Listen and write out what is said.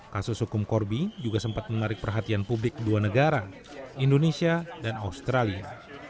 kasus hukum corby juga sempat menarik perhatian publik dua negara indonesia dan australia